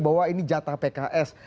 bahwa ini jatah pks